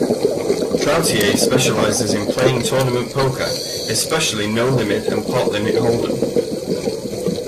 Cloutier specializes in playing tournament poker, especially no-limit and pot limit hold'em.